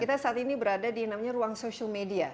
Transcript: kita saat ini berada di namanya ruang social media